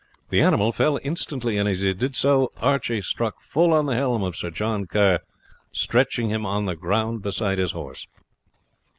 The animal fell instantly, and as he did so Archie struck full on the helm of Sir John Kerr, stretching him on the ground beside his horse.